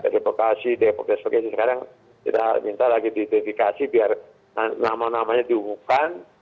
dari bekasi depok desbek sekarang kita minta lagi identifikasi biar nama namanya dihubungkan